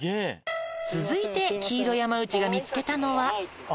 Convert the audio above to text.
「続いて黄色山内が見つけたのは」